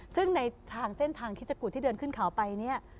ซึ่งในทางเส้นทางคิจกุฎที่เดินขึ้นขาวไป